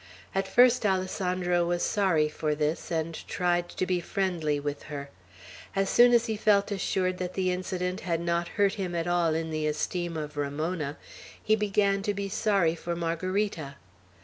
At first Alessandro was sorry for this, and tried to be friendly with her. As soon as he felt assured that the incident had not hurt him at all in the esteem of Ramona, he began to be sorry for Margarita.